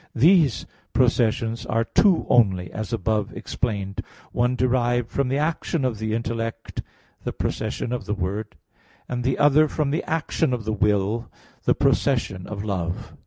These processions are two only, as above explained (Q. 27, A. 5), one derived from the action of the intellect, the procession of the Word; and the other from the action of the will, the procession of love.